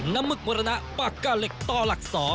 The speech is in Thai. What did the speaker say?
หมึกมรณะปากกาเหล็กต่อหลัก๒